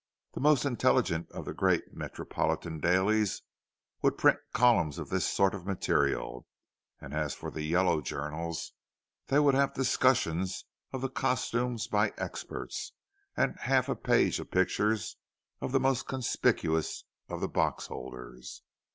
The most intelligent of the great metropolitan dailies would print columns of this sort of material; and as for the "yellow" journals, they would have discussions of the costumes by "experts," and half a page of pictures of the most conspicuous of the box holders.